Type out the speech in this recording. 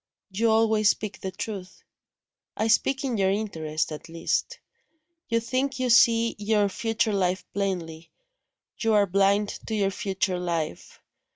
"You always speak the truth." "I speak in your interest, at least. You think you see your future life plainly you are blind to your future life.